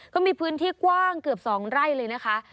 ก็มีพื้นที่กว้างเกือบ๒ไร่เลยนะคะ